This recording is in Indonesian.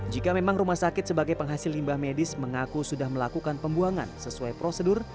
jika memang rumah sakit sebagai penghasil limbah medis mengaku sudah melakukan pembuangan sesuai prosedur